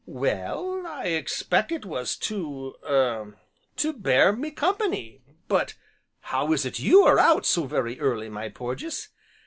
"Well, I expect it was to er to bear me company. But how is it you are out so very early, my Porges?"